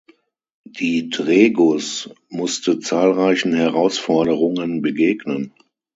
Die Dregus musste zahlreichen Herausforderungen begegnen.